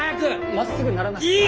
まっすぐにならない。